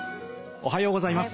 おはようございます。